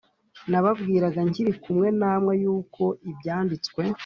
nababwiraga nkiri kumwe namwe yuko ibyanditswe